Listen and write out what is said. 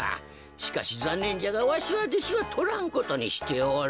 しかしざんねんじゃがわしはでしはとらんことにしておる。